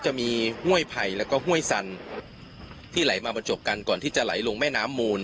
จะมีห้วยไผ่แล้วก็ห้วยสันที่ไหลมาประจบกันก่อนที่จะไหลลงแม่น้ำมูล